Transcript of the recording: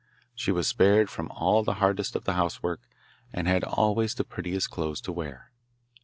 She was spared from all the hardest of the housework, and had always the prettiest clothes to wear.